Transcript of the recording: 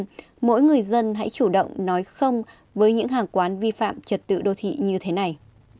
vì vậy mỗi người dân hãy chủ động nói không với những hàng quán vi phạm trật tự đô thị như thế này